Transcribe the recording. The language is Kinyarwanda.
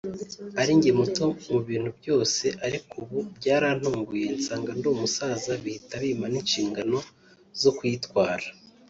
ari njye muto mu bintu byose ariko ubu byarantunguye nsanga ndi umusaza bihita bimpa n’inshingano zo kuyitwara